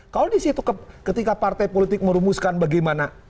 kalau disitu ketika partai politik merumuskan bagaimana